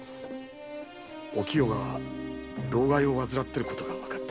おきよが労咳を患っていることがわかった。